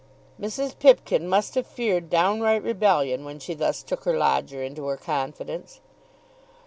Mrs. Pipkin must have feared downright rebellion when she thus took her lodger into her confidence.